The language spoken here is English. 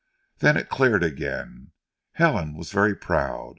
Then it cleared again. Helen was very proud.